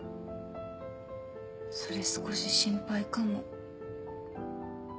それ少し心配かも。